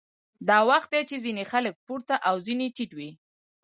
دا وخت دی چې ځینې خلک پورته او ځینې ټیټوي